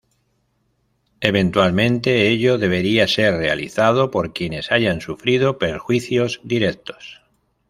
Eventualmente ello debería ser realizado por quienes hayan sufrido perjuicios directos.